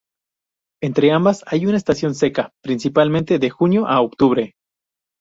Entre ambas hay una estación seca, principalmente de junio a octubre.